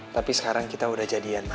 tapi sekarang kita udah jadian